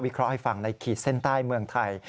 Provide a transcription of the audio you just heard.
เคราะห์ให้ฟังในขีดเส้นใต้เมืองไทย